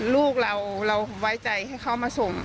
ลูกเราเราไว้ใจให้เขามาส่ง